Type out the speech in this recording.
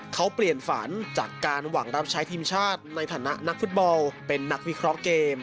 เขาเปลี่ยนฝันจากการหวังรับใช้ทีมชาติในฐานะนักฟุตบอลเป็นนักวิเคราะห์เกม